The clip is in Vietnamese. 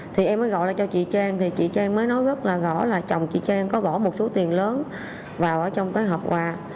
thì em mới gọi là cho chị trang thì chị trang mới nói rất là rõ là chồng chị trang có bỏ một số tiền lớn vào trong cái hộp quà